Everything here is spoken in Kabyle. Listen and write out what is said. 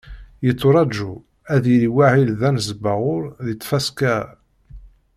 Yetturaǧu, ad yili wahil d anesbaɣur deg tfaska-a.